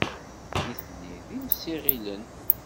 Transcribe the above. Nitni d imsiɣilen.